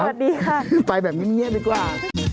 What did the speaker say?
สวัสดีค่ะไปแบบเงียบดีกว่า